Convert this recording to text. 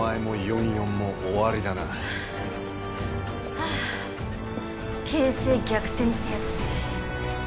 ああ形勢逆転ってやつね。